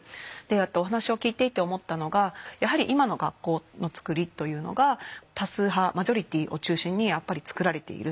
お話を聞いていて思ったのがやはり今の学校のつくりというのが多数派マジョリティーを中心につくられている。